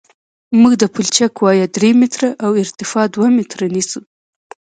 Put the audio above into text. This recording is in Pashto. موږ د پلچک وایه درې متره او ارتفاع دوه متره نیسو